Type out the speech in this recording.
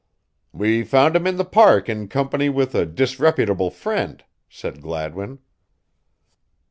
"We found him in the park in company with a disreputable friend," said Gladwin.